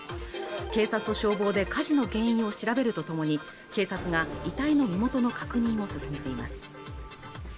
警察と消防で火事の原因を調べるとともに警察が遺体の身元の確認を進めています